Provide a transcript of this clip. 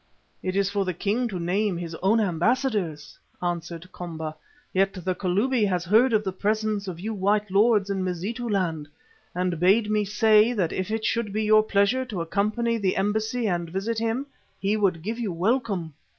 "It is for the king to name his own ambassadors," answered Komba. "Yet the Kalubi has heard of the presence of you white lords in Mazitu land and bade me say that if it should be your pleasure to accompany the embassy and visit him, he would give you welcome.